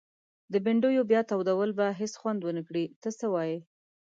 د بنډیو بیا تودول به هيڅ خوند ونکړي ته څه وايي؟